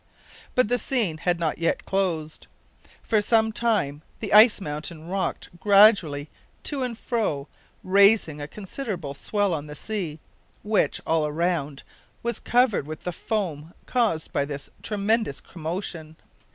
But the scene had not yet closed. For some time the ice mountain rocked grandly to and fro, raising a considerable swell on the sea, which, all round, was covered with the foam caused by this tremendous commotion.